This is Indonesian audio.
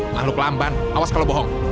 makhluk lamban awas kalau bohong